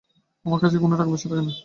আমার কাছে কোন টাকা পয়সা থাকে না।